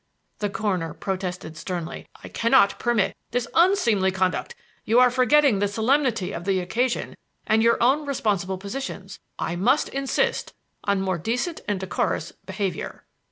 the coroner protested sternly; "I cannot permit this unseemly conduct. You are forgetting the solemnity of the occasion and your own responsible positions. I must insist on more decent and decorous behavior."